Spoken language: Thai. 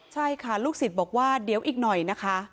ใช่ค่ะลูกศิษย์บอกว่าเดี๋ยวอีกหน่อยนะคะ